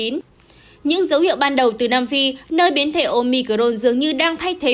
những dấu hiệu ban đầu từ nam phi nơi biến thể omicron dường như đang thay thế